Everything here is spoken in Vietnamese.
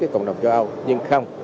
cộng đồng châu âu nhưng không